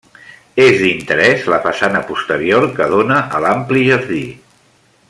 És d'interès la façana posterior que dóna a l'ampli jardí.